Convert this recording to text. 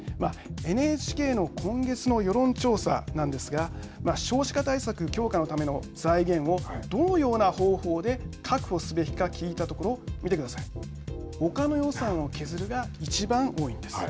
ＮＨＫの今月の世論調査なんですが少子化対策強化のための財源をどのような方法で確保すべきか聞いたところ見てくださいほかの予算を削るが一番多いんです。